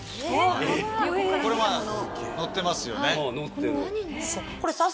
これは載ってますよね。